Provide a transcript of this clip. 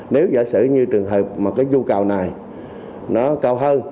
nếu giả sử như trường hợp mà cái nhu cầu này nó cao hơn